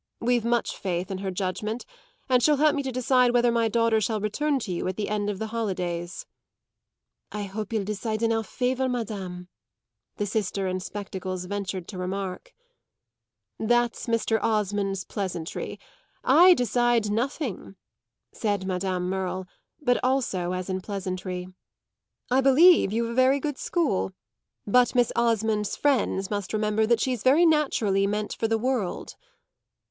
"We've much faith in her judgement, and she'll help me to decide whether my daughter shall return to you at the end of the holidays." "I hope you'll decide in our favour, madame," the sister in spectacles ventured to remark. "That's Mr. Osmond's pleasantry; I decide nothing," said Madame Merle, but also as in pleasantry. "I believe you've a very good school, but Miss Osmond's friends must remember that she's very naturally meant for the world."